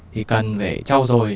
thì cần phải trau dồi